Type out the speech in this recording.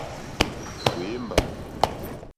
Wěmbà.